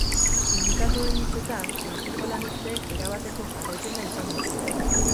Sindikatuen hitzetan, goizeko lanuzteek erabateko jarraipena izan dute.